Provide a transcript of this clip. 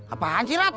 apaan sih rap